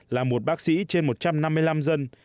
là một bác sĩ trên một trăm năm mươi năm dân